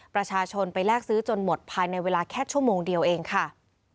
ประชาชนไปแลกซื้อจนหมดภายในเวลาแค่ชั่วโมงเดียวเองค่ะ